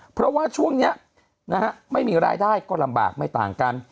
เพราะว่าช่วงนี้ไม่มีรายได้ก็ลำบากไม่ต่างกัน